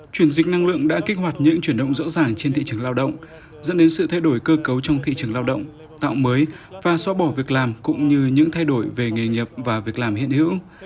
chuyển dịch năng lượng đã kích hoạt những chuyển động rõ ràng trên thị trường lao động dẫn đến sự thay đổi cơ cấu trong thị trường lao động tạo mới và xóa bỏ việc làm cũng như những thay đổi về nghề nghiệp và việc làm hiện hữu